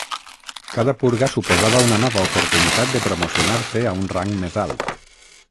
Cada purga suposava una nova oportunitat de promocionar-se a un rang més alt.